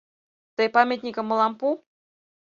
Тый памятникым мылам пу.